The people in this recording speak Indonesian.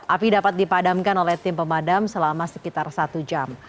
api dapat dipadamkan oleh tim pemadam selama sekitar satu jam